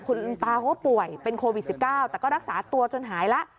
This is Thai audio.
คุณตาเข้าป่วยเป็นโควิดสิบเก้าแต่ก็รักษาตัวจนหายละ